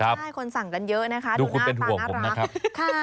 ใช่คนสั่งกันเยอะนะคะดูหน้าตาน่ารัก